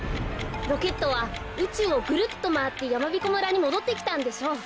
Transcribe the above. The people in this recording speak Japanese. ロケットはうちゅうをぐるっとまわってやまびこ村にもどってきたんでしょう。